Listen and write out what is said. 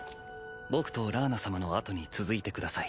僕とラーナ様のあとに続いてください。